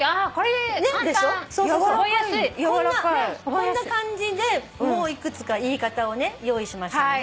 こんな感じでもういくつか言い方を用意しましたので。